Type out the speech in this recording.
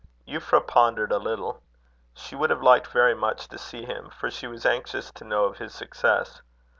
Euphra pondered a little. She would have liked very much to see him, for she was anxious to know of his success.